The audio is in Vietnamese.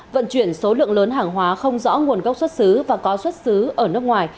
vận chuyển số lượng lớn hàng hóa không rõ nguồn gốc xuất xứ và có xuất xứ ở nước ngoài